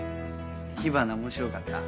『火花』面白かった？